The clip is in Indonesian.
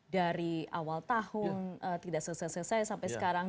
dari awal tahun tidak selesai selesai sampai sekarang